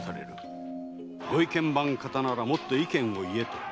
「御意見番方ならもっと意見を言えと。